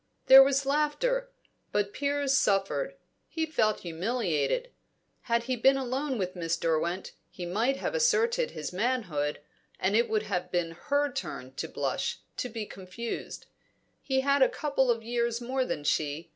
There was laughter, but Piers suffered. He felt humiliated. Had he been alone with Miss Derwent, he might have asserted his manhood, and it would have been her turn to blush, to be confused. He had a couple of years more than she.